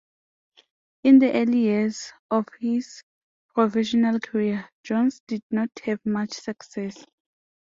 In the early years of his professional career, Jones did not have much success.